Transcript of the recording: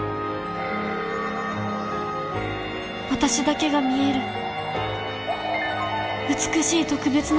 私だけが見える美しい特別な世界を